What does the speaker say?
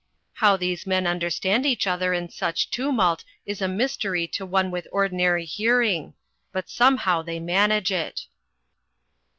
How these men understand each other in such tumult is a mystery to one with ordinary hearing, but somehow they manage it.